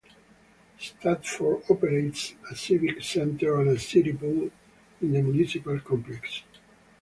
Stafford operates a Civic Center and a City Pool in the Municipal Complex.